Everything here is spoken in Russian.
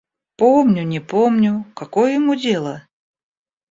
Помню, не помню... Какое ему дело?